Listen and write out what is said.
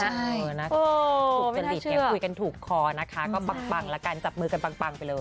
ใช่ไม่ได้เชื่อคุยกันถูกคอนะคะก็ปังแล้วกันจับมือกันปังไปเลย